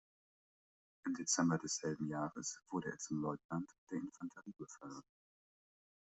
Im Dezember desselben Jahres wurde er zum Leutnant der Infanterie befördert.